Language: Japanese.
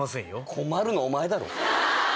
困るのお前だろ。